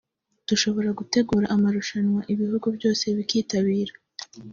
dushobora gutegura amarushanwa ibihugu byose bikitabira